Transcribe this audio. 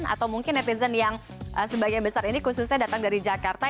atau mungkin netizen yang sebagian besar ini khususnya datang dari jakarta